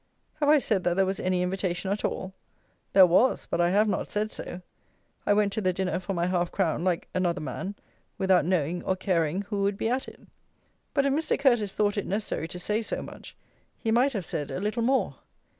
Have I said that there was any invitation at all? There was; but I have not said so. I went to the dinner for my half crown like another man, without knowing, or caring, who would be at it. But, if Mr. Curteis thought it necessary to say so much, he might have said a little more.